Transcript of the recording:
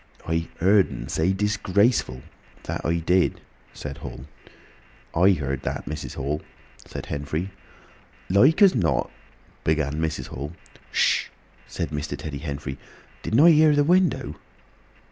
"I heerd'n say 'disgraceful'; that I did," said Hall. "I heerd that, Mrs. Hall," said Henfrey. "Like as not—" began Mrs. Hall. "Hsh!" said Mr. Teddy Henfrey. "Didn't I hear the window?"